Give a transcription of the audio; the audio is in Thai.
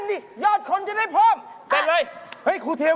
เฮ่ยขายของเถอะ